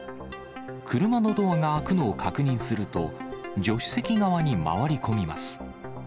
車のドアが開くのを確認すると、助手席側に回り込みます。